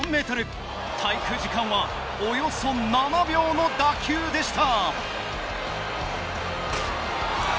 滞空時間はおよそ７秒の打球でした。